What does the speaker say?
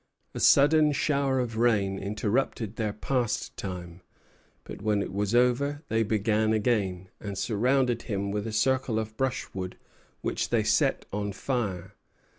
A sudden shower of rain interrupted their pastime; but when it was over they began again, and surrounded him with a circle of brushwood which they set on fire.